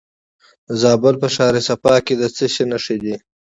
د زابل په شهر صفا کې د څه شي نښې دي؟